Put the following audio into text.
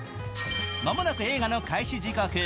間もなく映画の開始時刻。